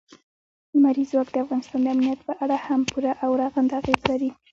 لمریز ځواک د افغانستان د امنیت په اړه هم پوره او رغنده اغېز لري.